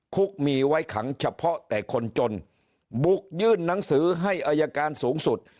คุกมีไว้ขังเฉพาะแต่คนจนบุกยื่นหนังสือให้อายการสูงสุด